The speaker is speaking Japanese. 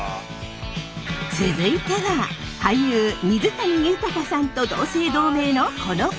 続いては俳優水谷豊さんと同姓同名のこの方。